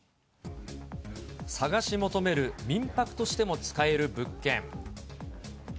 探し求める民泊としても使える物件。